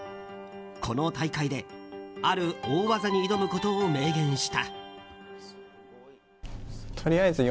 この大会である大技に挑むことを明言した。